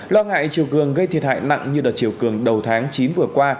lo ngại chiều cường gây thiệt hại nặng như đợt chiều cường đầu tháng chín vừa qua